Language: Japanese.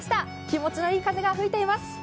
気持ちのいい風が吹いています。